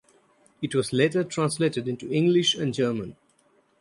It was later translated into English and German.